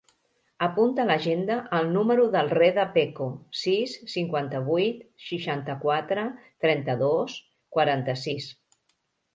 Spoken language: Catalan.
Apunta a l'agenda el número del Reda Peco: sis, cinquanta-vuit, seixanta-quatre, trenta-dos, quaranta-sis.